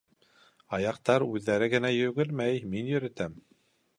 — Аяҡтар үҙҙәре генә йүгермәй, мин йөрөтәм...